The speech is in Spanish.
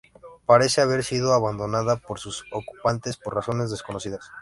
Parece haber sido abandonada por sus ocupantes por razones desconocidas.